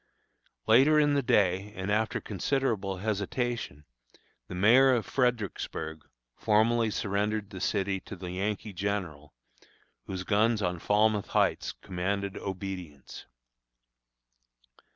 Later in the day, and after considerable hesitation, the mayor of Fredericksburg formally surrendered the city to the Yankee General, whose guns on Falmouth Heights commanded obedience.